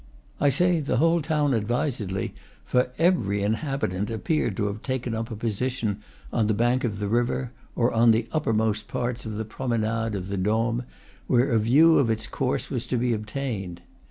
I say the whole town advisedly; for every inhabitant appeared to have taken up a position on the bank of the river, or on the uppermost parts of the promenade of the Doms, where a view of its course was to be obtained.